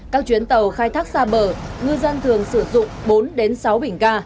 các chuyến tàu khai thác xa bờ ngư dân thường sử dụng bốn đến sáu bình ga